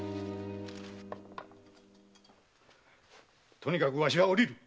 とにかくわしはおりる！